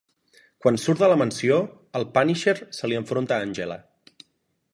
Quan surt de la mansió, al Punisher se li enfronta Angela.